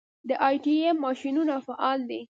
د ای ټي ایم ماشینونه فعال دي؟